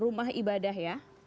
rumah ibadah ya